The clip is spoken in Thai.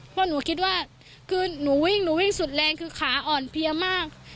เพราะหนูคิดว่าหนูวิ่งสุดแรงคือขาอ่อนเพียงมาก